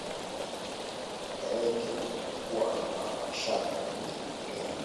eleweki na tukawa tuna mashaka ni kitu gani